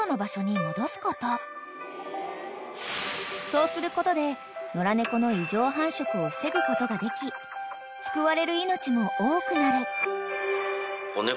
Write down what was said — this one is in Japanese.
［そうすることで野良猫の異常繁殖を防ぐことができ救われる命も多くなる］